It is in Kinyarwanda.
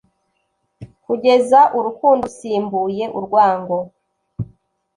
kugeza urukundo rusimbuye urwango